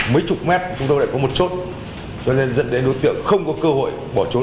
mấy chục mét chúng tôi lại có một chốt cho nên dẫn đến đối tượng không có cơ hội bỏ trốn